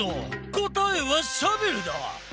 こたえはシャベルだ！